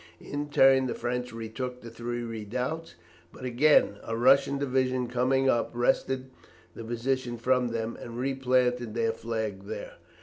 In turn the French retook the three redoubts; but, again, a Russian division coming up wrested the position from them, and replanted their flag there.